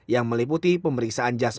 yang meliputi pemeriksaan jasa